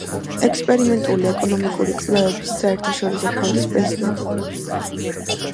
ექსპერიმენტული ეკონომიკური კვლევების საერთაშორისო ფონდის პრეზიდენტი.